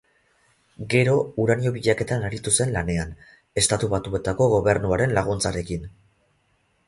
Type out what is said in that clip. Gero, uranio-bilaketan aritu zen lanean, Estatu Batuetako Gobernuaren laguntzarekin.